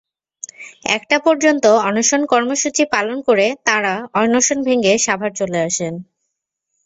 একটা পর্যন্ত অনশন কর্মসূচি পালন করে তাঁরা অনশন ভেঙে সাভার চলে আসেন।